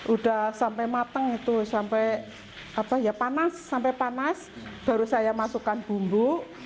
udah sampai matang itu sampai panas baru saya masukkan bumbu